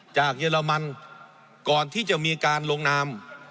เยอรมันก่อนที่จะมีการลงนาม